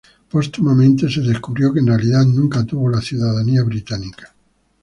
Póstumamente se descubrió que en realidad nunca tuvo la ciudadanía británica.